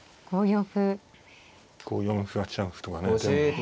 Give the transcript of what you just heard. ５四歩８四歩とかね。